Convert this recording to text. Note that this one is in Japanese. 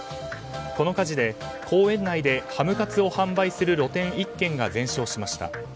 この火事で公園内でハムカツを販売する露店１軒が全焼しました。